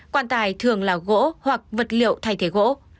quan tài thường là gỗ hoặc vật liệu thay thế gỗ